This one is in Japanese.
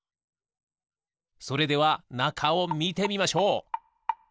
それではなかをみてみましょう！